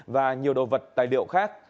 và nhiều đồ vật tài liệu khác